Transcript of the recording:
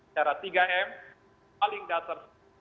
secara tiga m paling datar